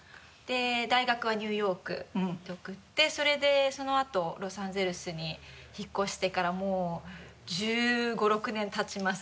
大学はニューヨークで送ってそれでそのあとロサンゼルスに引っ越してからもう１５１６年経ちますね。